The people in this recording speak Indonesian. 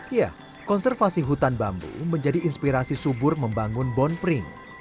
ya konservasi hutan bambu menjadi inspirasi subur membangun bon pring